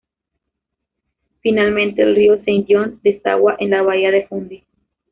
Finalmente, el río Saint John desagua en la bahía de Fundy.